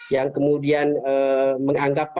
yang kemudian menganggapnya